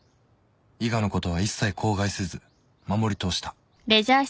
［伊賀のことは一切口外せず守り通した］